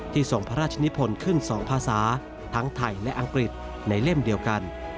ทรงพระราชนิพลขึ้น๒ภาษาทั้งไทยและอังกฤษในเล่มเดียวกัน